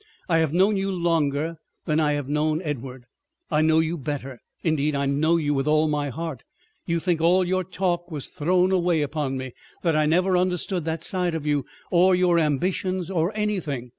I have known you longer than I have known Edward. I know you better. Indeed I know you with all my heart. You think all your talk was thrown away upon me, that I never understood that side of you, or your ambitions or anything.